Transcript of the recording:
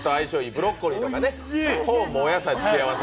ブロッコリーとかね、コーンもお野菜付け合わせ。